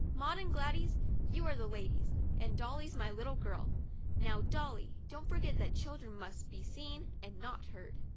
Maud and Gladys, you and I are ladies, and Dolly's my little girl. Now, Dolly, don't forget that children must be seen and not heard.